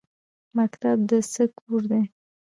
مکتب د څه کور دی؟